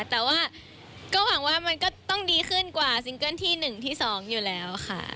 แต่ว่าก็หวังว่ามันก็ต้องดีขึ้นกว่าซิงเกิ้ลที่๑ที่๒อยู่แล้วค่ะ